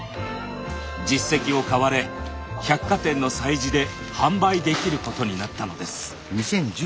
実績を買われ百貨店の催事で販売できることになったのです。